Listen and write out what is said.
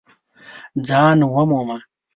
ځان ومومه !